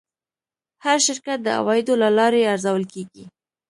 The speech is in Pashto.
هر شرکت د عوایدو له لارې ارزول کېږي.